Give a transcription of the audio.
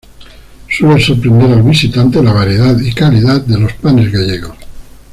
Suele sorprender al visitante la variedad y calidad de los panes gallegos.